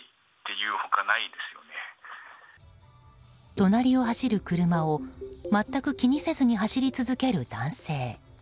隣で走る車を全く気にせず走り続ける男性。